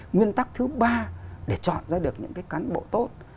nguyên tắc thứ ba để chọn ra được những cái cán bộ tốt